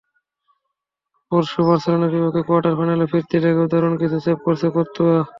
পরশু বার্সেলোনার বিপক্ষে কোয়ার্টার ফাইনালের ফিরতি লেগেও দারুণ কিছু সেভ করেছেন কোর্তুয়া।